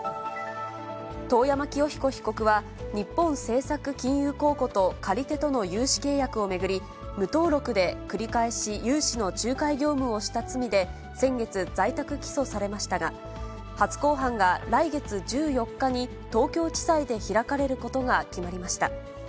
遠山清彦被告は日本政策金融公庫と借り手との融資契約を巡り、無登録で繰り返し融資の仲介業務をした罪で、先月、在宅起訴されましたが、初公判が来月１４日に東京地裁で開かれることが決まりました。